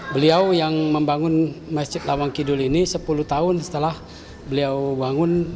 beliau yang membangun masjid lawang kidul ini sepuluh tahun setelah beliau bangun